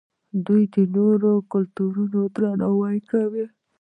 دوی د نورو کلتورونو درناوی کوي.